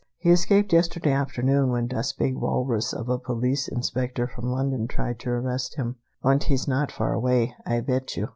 He escaped yesterday afternoon when das big walrus of a police inspector from London tried to arrest him; und he's not far away, Ay bet you."